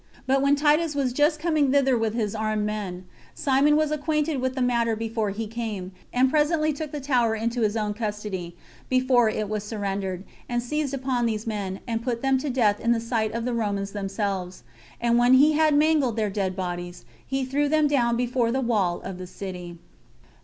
But when Titus was just coming thither with his armed men, Simon was acquainted with the matter before he came, and presently took the tower into his own custody, before it was surrendered, and seized upon these men, and put them to death in the sight of the Romans themselves; and when he had mangled their dead bodies, he threw them down before the wall of the city.